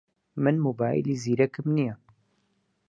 من مۆبایلی زیرەکم نییە.